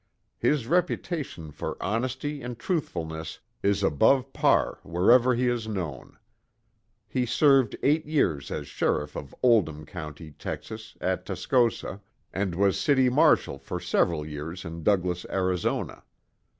His reputation for honesty and truthfulness is above par wherever he is known. He served eight years as sheriff of Oldham County, Texas, at Tascosa, and was city marshal for several years in Douglas, Arizona.